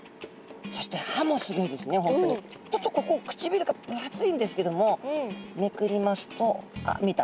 そしてちょっとここくちびるが分厚いんですけどもめくりますとあっ見えた。